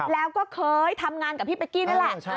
แล้วก็เคยทำงานกับพี่เป๊กกี้นั่นแหละ